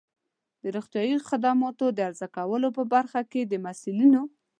د روغتیایی خدماتو د عرضه کولو په برخه کې د مسؤلینو